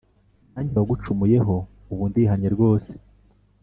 nanjye uwagucumuyeho ubu ndihannye rwose.